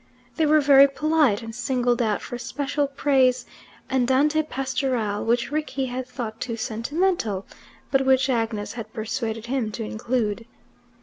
They were very polite, and singled out for special praise "Andante Pastorale," which Rickie had thought too sentimental, but which Agnes had persuaded him to include.